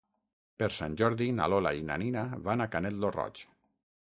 Per Sant Jordi na Lola i na Nina van a Canet lo Roig.